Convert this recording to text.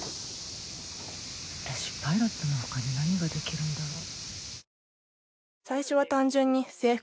私パイロットの他に何ができるんだろう。